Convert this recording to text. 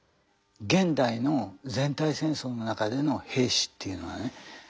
現代の全体戦争の中での兵士というのはね